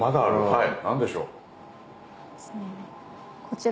はい。